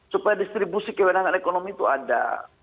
supaya distribusi kewenangan ekonomi itu ada